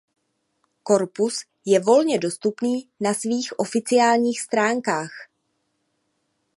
Korpus je volně dostupný na svých oficiálních stránkách.